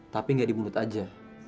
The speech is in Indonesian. tapi nggak di mulut aja